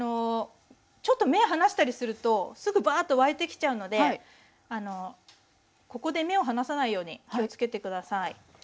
ちょっと目離したりするとすぐバーッと沸いてきちゃうのでここで目を離さないように気をつけて下さい。